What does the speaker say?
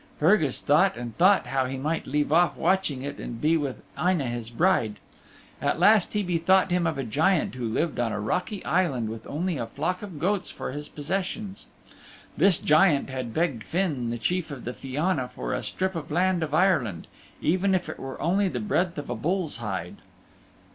Fergus thought and thought how he might leave off watching it and be with Aine', his bride. At last he bethought him of a Giant who lived on a rocky island with only a flock of goats for his possessions. This Giant had begged Finn, the Chief of the Fianna, for a strip of the land of Ireland, even if it were only the breadth of a bull's hide.